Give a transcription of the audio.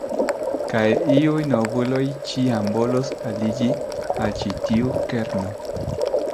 Kaj iuj novuloj ĉiam volos aliĝi al ĉi tiu kerno.